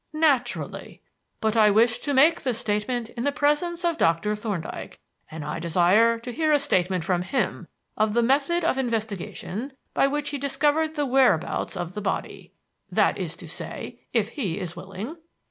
"Naturally. But I wish to make the statement in the presence of Doctor Thorndyke, and I desire to hear a statement from him of the method of investigation by which he discovered the whereabouts of the body. That is to say, if he is willing."